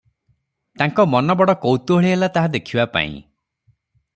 ତାଙ୍କ ମନ ବଡ଼ କୌତୂହଳୀ ହେଲା ତାହା ଦେଖିବାପାଇଁ ।